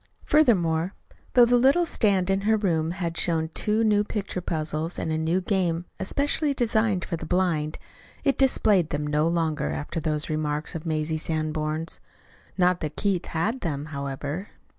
Furthermore, though the little stand in her room had shown two new picture puzzles and a new game especially designed for the blind, it displayed them no longer after those remarks of Mazie Sanborn's. Not that Keith had them, however.